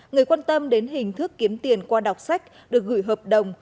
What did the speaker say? người quan tâm đến hình thức kiếm tiền qua đọc sách được gửi hợp đồng